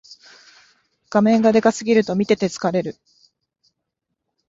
画面がでかすぎると見てて疲れる